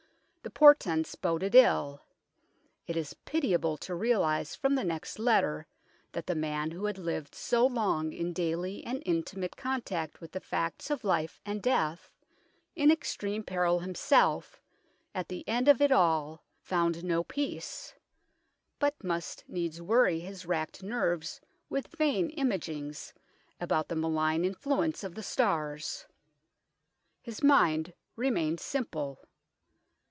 The portents boded ill. It is pitiable to realize from the next letter that the man who had lived so long in daily and intimate contact with the facts of life and death, in ex treme peril himself, at the end of it all found no peace, but must needs worry his wracked nerves with vain imaginings about the malign influences of the stars. His mind remained simple.